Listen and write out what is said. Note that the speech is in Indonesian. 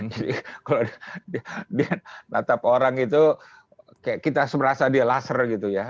jadi kalau dia menatap orang itu kita merasa dia laser gitu ya